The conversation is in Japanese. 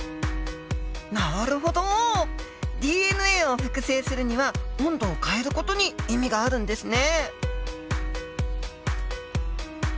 ＤＮＡを複製するには温度を変える事に意味があるんですね。